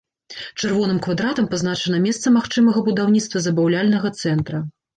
Чырвоным квадратам пазначана месца магчымага будаўніцтва забаўляльнага цэнтра.